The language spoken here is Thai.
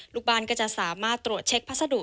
ลูกบ้านก็จะสามารถตรวจเช็คพัสดุ